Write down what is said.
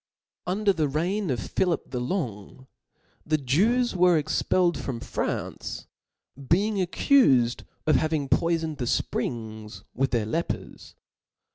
Under the reign of Philip the Longy the Jews were expelled from France, being accufed of hav ing poifoned the fprings with their lepers.